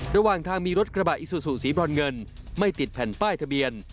ระหว่างทางมีรถกระบะอิซูซูสีบรอนเงินไม่ติดแผ่นป้ายทะเบียน